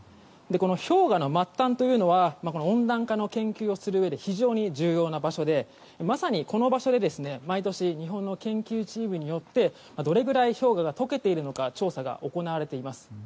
氷河の末端というのは温暖化の研究をするうえで非常に重要な場所でまさに、この場所で毎年、日本の研究チームによってどれくらい氷河が解けているのか調査が行われています。